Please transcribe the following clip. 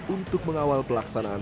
untuk mengawal pelaksanaan